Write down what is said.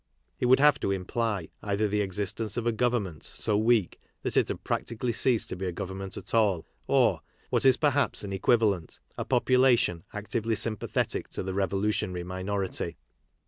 It would have to imply either the existence of a government so weak that it had practically ceased to be a government at all, or, what is perhaps, an equivalent, a population actively sympathetic to the revolutionary minority.